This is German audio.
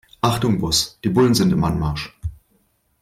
Achtung Boss, die Bullen sind im Anmarsch.